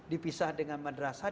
dipisah dengan madrasah